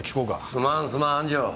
すまんすまん安城。